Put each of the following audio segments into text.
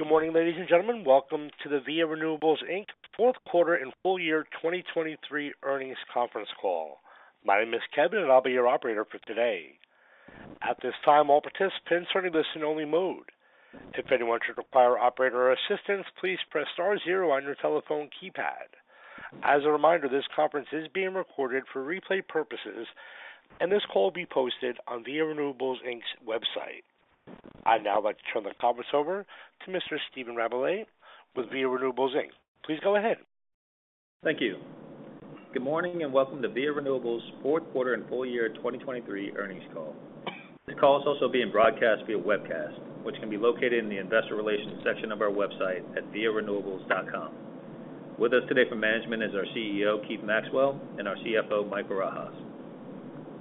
Good morning, ladies and gentlemen. Welcome to the Via Renewables, Inc. Fourth Quarter and Full Year 2023 Earnings Conference Call. My name is Kevin, and I'll be your operator for today. At this time, all participants are in listen-only mode. If anyone should require operator assistance, please press star zero on your telephone keypad. As a reminder, this conference is being recorded for replay purposes, and this call will be posted on Via Renewables, Inc.'s website. I'd now like to turn the conference over to Mr. Stephen Rabalais with Via Renewables, Inc. Please go ahead. Thank you. Good morning, and welcome to Via Renewables' Fourth Quarter and Full Year 2023 Earnings Call. The call is also being broadcast via webcast, which can be located in the Investor Relations section of our website at viarenewables.com. With us today from management is our CEO, Keith Maxwell, and our CFO, Mike Barajas.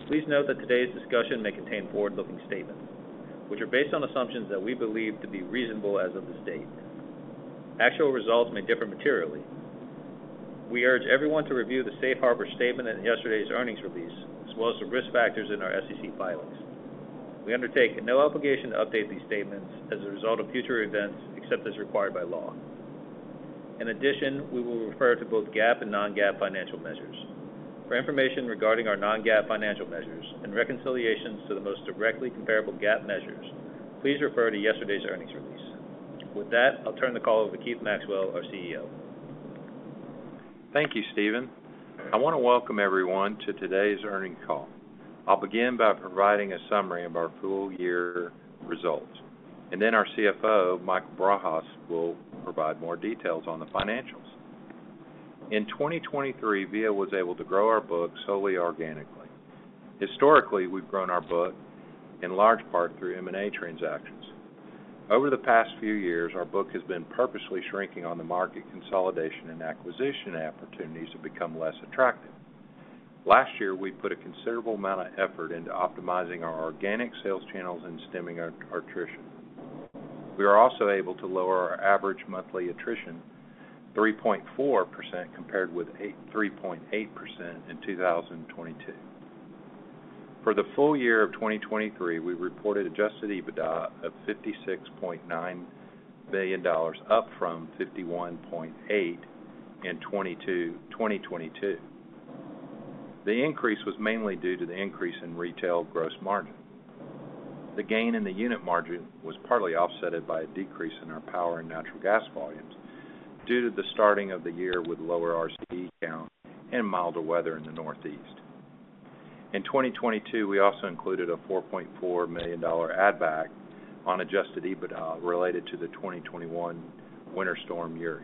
Please note that today's discussion may contain forward-looking statements, which are based on assumptions that we believe to be reasonable as of this date. Actual results may differ materially. We urge everyone to review the safe harbor statement in yesterday's earnings release, as well as the risk factors in our SEC filings. We undertake no obligation to update these statements as a result of future events, except as required by law. In addition, we will refer to both GAAP and non-GAAP financial measures. For information regarding our non-GAAP financial measures and reconciliations to the most directly comparable GAAP measures, please refer to yesterday's earnings release. With that, I'll turn the call over to Keith Maxwell, our CEO. Thank you, Stephen. I want to welcome everyone to today's earnings call. I'll begin by providing a summary of our full-year results, and then our CFO, Mike Barajas, will provide more details on the financials. In 2023, VIA was able to grow our book solely organically. Historically, we've grown our book in large part through M&A transactions. Over the past few years, our book has been purposely shrinking on the market consolidation, and acquisition opportunities have become less attractive. Last year, we put a considerable amount of effort into optimizing our organic sales channels and stemming our attrition. We are also able to lower our average monthly attrition 3.4%, compared with 3.8% in 2022. For the full year of 2023, we reported Adjusted EBITDA of $56.9 billion, up from $51.8 billion in 2022. The increase was mainly due to the increase in retail gross margin. The gain in the unit margin was partly offset by a decrease in our power and natural gas volumes due to the starting of the year with lower RCE count and milder weather in the Northeast. In 2022, we also included a $4.4 million add-back on Adjusted EBITDA related to the 2021 Winter Storm Uri.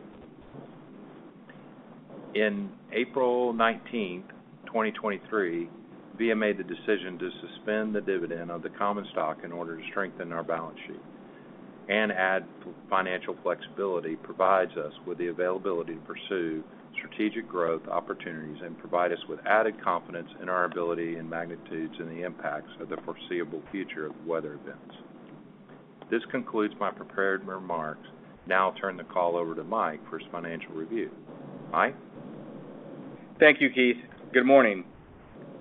In April 19, 2023, Via made the decision to suspend the dividend of the common stock in order to strengthen our balance sheet and add financial flexibility, provides us with the availability to pursue strategic growth opportunities, and provide us with added confidence in our ability and magnitudes and the impacts of the foreseeable future of weather events. This concludes my prepared remarks. Now I'll turn the call over to Mike for his financial review. Mike? Thank you, Keith. Good morning.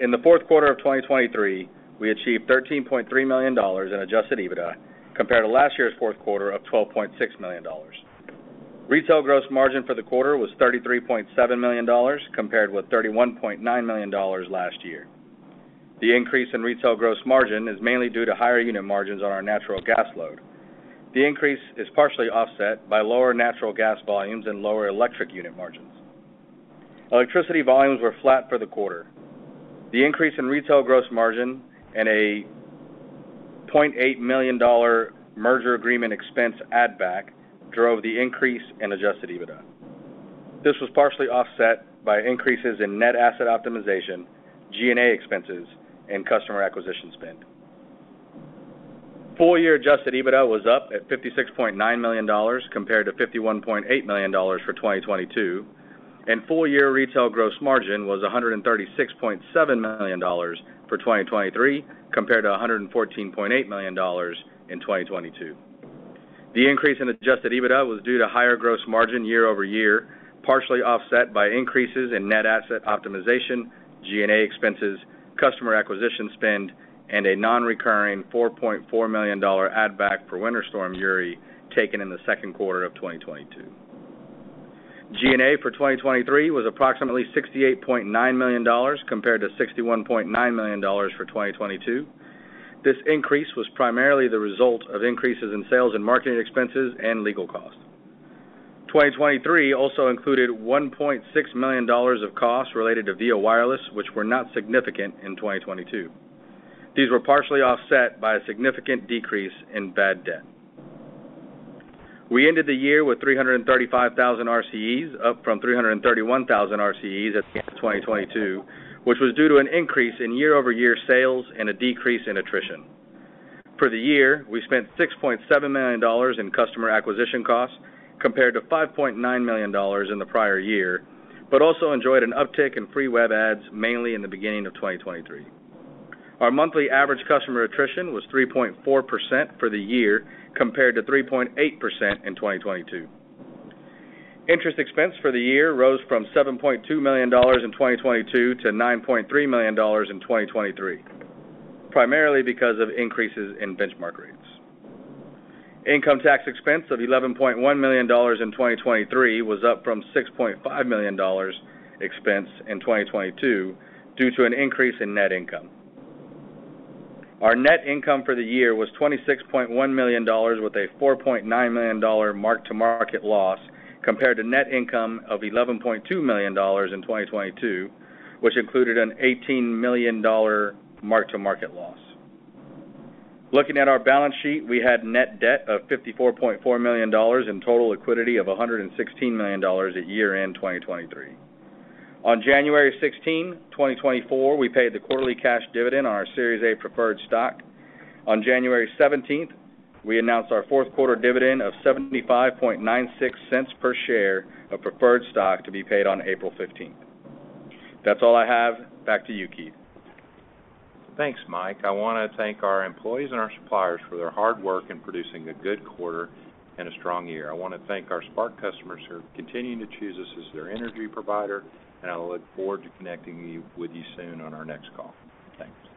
In the fourth quarter of 2023, we achieved $13.3 million in adjusted EBITDA compared to last year's fourth quarter of $12.6 million. Retail gross margin for the quarter was $33.7 million, compared with $31.9 million last year. The increase in retail gross margin is mainly due to higher unit margins on our natural gas load. The increase is partially offset by lower natural gas volumes and lower electric unit margins. Electricity volumes were flat for the quarter. The increase in retail gross margin and a $0.8 million merger agreement expense add-back drove the increase in adjusted EBITDA. This was partially offset by increases in net asset optimization, G&A expenses, and customer acquisition spend. Full year Adjusted EBITDA was up at $56.9 million, compared to $51.8 million for 2022, and full year retail gross margin was $136.7 million for 2023, compared to $114.8 million in 2022. The increase in Adjusted EBITDA was due to higher gross margin year-over-year, partially offset by increases in net asset optimization, G&A expenses, customer acquisition spend, and a non-recurring $4.4 million add-back for Winter Storm Uri, taken in the second quarter of 2022. G&A for 2023 was approximately $68.9 million, compared to $61.9 million for 2022. This increase was primarily the result of increases in sales and marketing expenses and legal costs. 2023 also included $1.6 million of costs related to Via Wireless, which were not significant in 2022. These were partially offset by a significant decrease in bad debt. We ended the year with 335,000 RCEs, up from 331,000 RCEs at the end of 2022, which was due to an increase in year-over-year sales and a decrease in attrition. For the year, we spent $6.7 million in customer acquisition costs, compared to $5.9 million in the prior year, but also enjoyed an uptick in free web adds, mainly in the beginning of 2023. Our monthly average customer attrition was 3.4% for the year, compared to 3.8% in 2022. Interest expense for the year rose from $7.2 million in 2022 to $9.3 million in 2023, primarily because of increases in benchmark rates. Income tax expense of $11.1 million in 2023 was up from six point five million dollars expense in 2022, due to an increase in net income. Our net income for the year was $26.1 million, with a $4.9 million Mark-to-Market loss, compared to net income of $11.2 million in 2022, which included an $18 million Mark-to-Market loss. Looking at our balance sheet, we had net debt of $54.4 million in total liquidity of $116 million at year-end 2023. On January 16th, 2024, we paid the quarterly cash dividend on our Series A Preferred Stock. On January 17th, we announced our fourth quarter dividend of $0.7596 per share of preferred stock to be paid on April 15th. That's all I have. Back to you, Keith. Thanks, Mike. I wanna thank our employees and our suppliers for their hard work in producing a good quarter and a strong year. I wanna thank our smart customers who are continuing to choose us as their energy provider, and I look forward to connecting with you soon on our next call. Thanks.